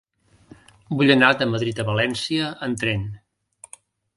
Vull anar de Madrid a València en tren.